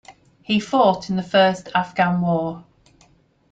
He fought in the First Afghan War.